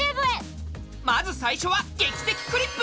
まず最初は「劇的クリップ」！